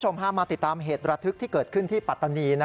พามาติดตามเหตุระทึกที่เกิดขึ้นที่ปัตตานี